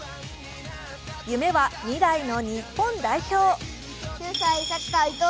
夢は未来の日本代表。